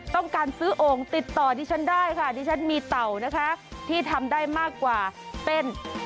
ต้องการซื้อโอ่งติดต่อดิฉันได้ค่ะดิฉันมีเต่านะคะที่ทำได้มากกว่าเต้น